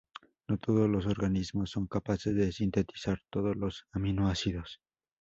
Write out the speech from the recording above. No todos los organismos son capaces de sintetizar todos los aminoácidos.